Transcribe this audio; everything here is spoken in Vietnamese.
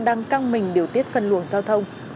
đang căng mình điều tiết phân luồng giao thông